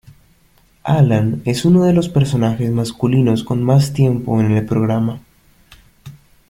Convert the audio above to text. Alan es uno de los personajes masculinos con más tiempo en el programa.